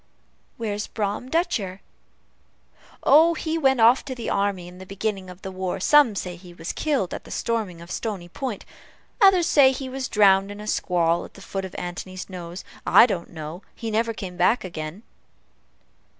"Where's Brom Dutcher?" "Oh, he went off to the army in the beginning of the war; some say he was killed at the storming of Stony Point others say he was drowned in a squall at the foot of Antony's Nose. I don't know he never came back again."